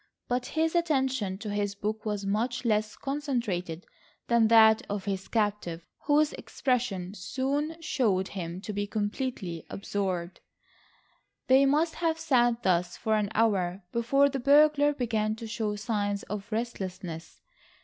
But his attention to his book was much less concentrated than that of his captive, whose expression soon showed him to be completely absorbed. They must have sat thus for an hour, before the burglar began to show signs of restlessness.